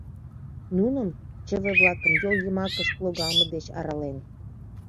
Нуным чыве-влакын йол йымакышт логалме деч арален.